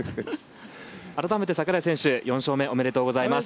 改めて櫻井選手４勝目おめでとうございます。